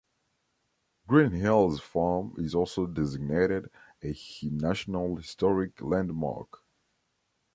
Green Hills Farm is also designated a National Historic Landmark.